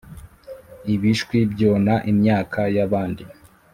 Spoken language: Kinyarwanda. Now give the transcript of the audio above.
Ibishwi byona imyaka yabandi